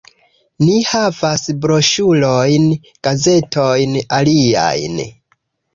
Ni havas broŝurojn, gazetojn, aliajn